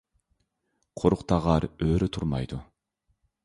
قۇرۇق تاغار ئۆرە تۇرمايدۇ.